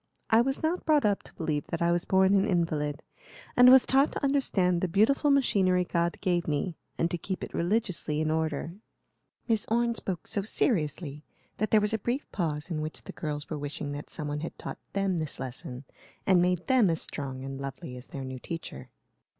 I was not brought up to believe that I was born an invalid, and was taught to understand the beautiful machinery God gave me, and to keep it religiously in order." Miss Orne spoke so seriously that there was a brief pause in which the girls were wishing that some one had taught them this lesson and made them as strong and lovely as their new teacher.